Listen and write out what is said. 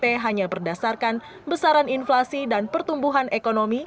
penentuan ump hanya berdasarkan besaran inflasi dan pertumbuhan ekonomi